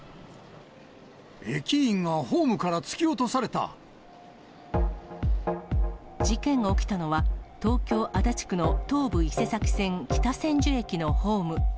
駅員がホームから突き落とさ事件が起きたのは、東京・足立区の東武伊勢崎線北千住駅のホーム。